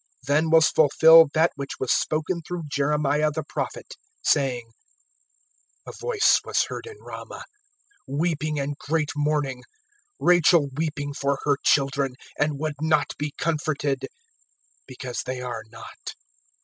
(17)Then was fulfilled that which was spoken through Jeremiah the prophet, saying: (18)A voice was heard in Ramah, Weeping, and great mourning[2:18]; Rachel weeping for her children, And would not be comforted, because they are not.